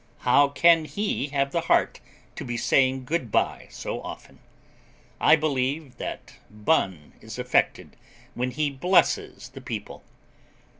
How can he have the heart to be saying good bye so often? I believe that Bunn is affected when he blesses the people.